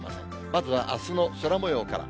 まずはあすの空もようから。